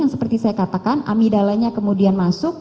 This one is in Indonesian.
seperti saya katakan amidalanya kemudian masuk